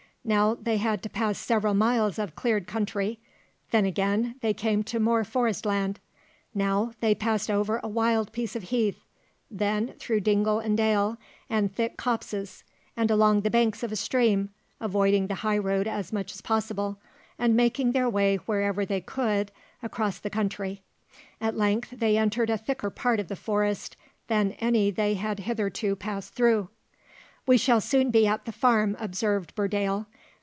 Now they had to pass several miles of cleared country; then again they came to more forest land. Now they passed over a wild piece of heath; then through dingle and dale, and thick copses, and along the banks of a stream, avoiding the high road as much as possible, and making their way wherever they could across the country. At length they entered a thicker part of the forest than any they had hitherto passed through. "We shall soon be at the farm," observed Burdale.